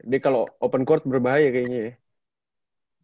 dia kalau open court berbahaya kayaknya ya